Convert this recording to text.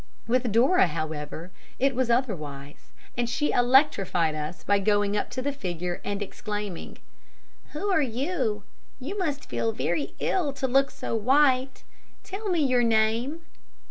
With Dora, however, it was otherwise, and she electrified us by going up to the figure, and exclaiming: "Who are you? You must feel very ill to look so white. Tell me your name."